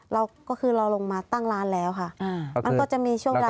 เราก็คือเราลงมาตั้งร้านแล้วค่ะมันก็จะมีช่วงเวลา